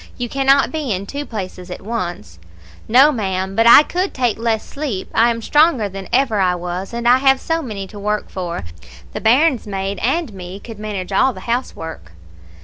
You cannot be in two places at once.' "'No, ma'am, but I could take less sleep. I am stronger than ever I was; and I have so many to work for. The bairns maid and me could manage all the housework.'